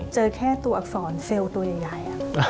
เจอแค่ตัวอักษรเซลล์ตัวใหญ่